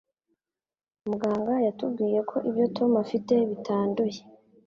Muganga yatubwiye ko ibyo Tom afite bitanduye